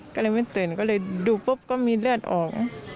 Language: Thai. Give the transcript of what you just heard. ก็เลยไม่ตื่นก็เลยดูปุ๊บก็มีเลือดออก